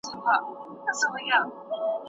راپاڅه او دا شپه ویښه کړه